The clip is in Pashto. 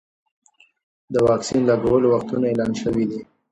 د واکسین لګولو وختونه اعلان شوي دي.